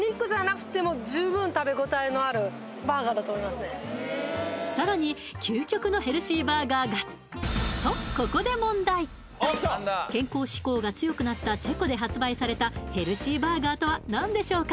さらにこのさらに究極のヘルシーバーガーがとここで問題健康志向が強くなったチェコで発売されたヘルシーバーガーとは何でしょうか？